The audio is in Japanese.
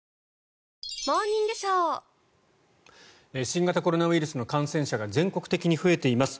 新型コロナウイルスの感染者が全国的に増えています。